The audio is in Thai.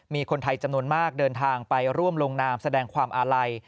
มีคนไทยจำนวนมากเดินทางไปร่วมลงนามแสดงความอาลัย